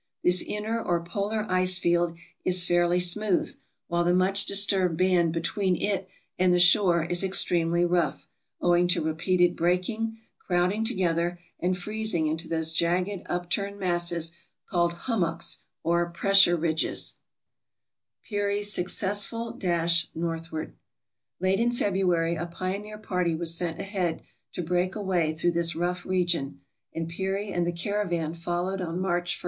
This inner or polar ice field is fairly smooth, while the much disturbed band between it and the shore is extremely rough, owing to repeated breaking, crowding together, and freezing into those jagged upturned masses called hummocks or pressure ridges. 476 TRAVELERS AND EXPLORERS Peary's Successful Dash Northward Late in February a pioneer party was sent ahead to break a way through this rough region, and Peary and the caravan followed on March i.